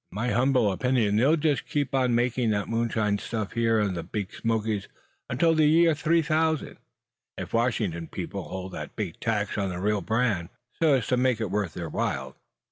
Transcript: In my humble opinion they'll just keep on making that moonshine stuff here in the Big Smokies until the year three thousand, if the Washington people hold that big tax on the real brand, so as to make it worth while."